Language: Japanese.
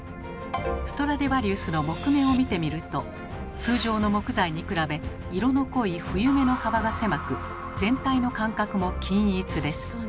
ストラディヴァリウスの木目を見てみると通常の木材に比べ色の濃い冬目の幅が狭く全体の間隔も均一です。